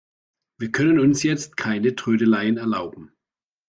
Wir können uns jetzt keine Trödeleien erlauben.